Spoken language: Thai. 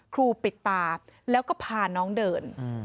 ครูปิดตาแล้วก็พาน้องเดิน